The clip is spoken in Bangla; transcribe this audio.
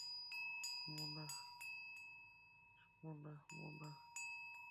মোনা, মোনা, মোনা!